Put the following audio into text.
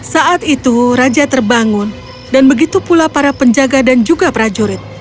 saat itu raja terbangun dan begitu pula para penjaga dan juga prajurit